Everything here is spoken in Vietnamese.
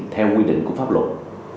theo quy định của pháp luật